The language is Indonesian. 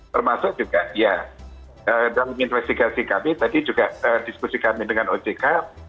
termasuk juga ya dalam investigasi kami tadi juga diskusi kami dengan ojk